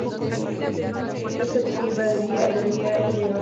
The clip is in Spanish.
Esta especie es activa de día y de noche.